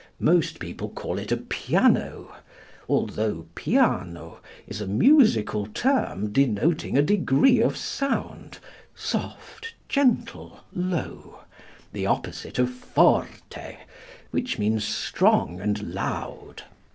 Most people call it a piano, although piano is a musical term denoting a degree of sound, soft, gentle, low the opposite of forte, which means strong and loud.